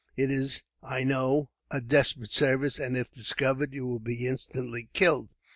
It is, I know, a desperate service, and if discovered you will be instantly killed.